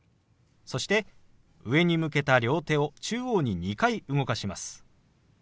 そして上に向けた両手を中央に２回動かします。